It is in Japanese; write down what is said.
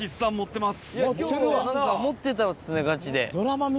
今日は何か持ってたっすねガチで。